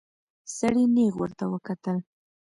سړي نيغ ورته وکتل.